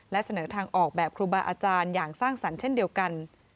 และเสนอทางออกแบบครูบาอาจารย์อย่างสร้างสรรค์เช่นเดียวกัน